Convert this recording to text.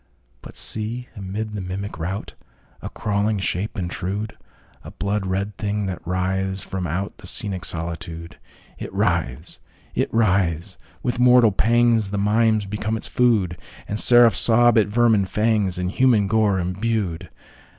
But see, amid the mimic routA crawling shape intrude!A blood red thing that writhes from outThe scenic solitude! It writhes!—it writhes!—with mortal pangsThe mimes become its food, And seraphs sob at vermin fangsIn human gore imbued.